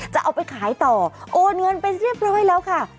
จะเอาไปขายต่อโอนเงินไปเรียบร้อยแล้วค่ะ